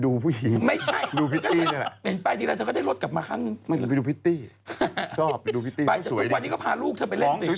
คุณปีจะมีคนชอบส่งไปเจอคนหนุ่ม